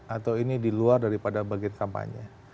atau ini di luar daripada bagian kampanye